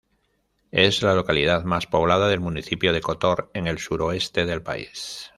Es la localidad más poblada del municipio de Kotor, en el suroeste del país.